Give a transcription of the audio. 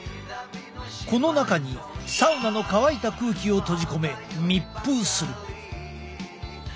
この中にサウナの乾いた空気を閉じ込め密封する。